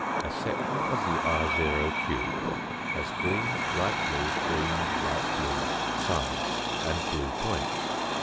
A section of the ro cube has green, light blue, green, light blue sides and blue points.